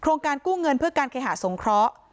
การกู้เงินเพื่อการเคหาสงเคราะห์